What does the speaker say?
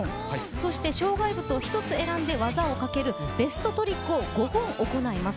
そして障害物を一つ選んで技をかける、ベストトリックを５本行います。